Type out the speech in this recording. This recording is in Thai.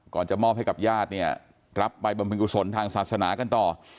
จะมอบให้กับญาติเนี่ยรับไปบำเพ็ญกุศลทางศาสนากันต่อ